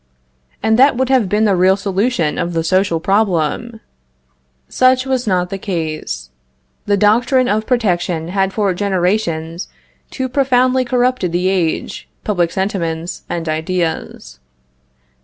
And that would have been the real solution of the social problem. Such was not the case. The doctrine of protection had for generations too profoundly corrupted the age, public sentiments and ideas.